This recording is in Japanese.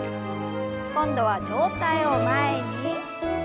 今度は上体を前に。